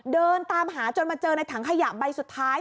เดินตามหาจนมาเจอในถังขยะใบสุดท้าย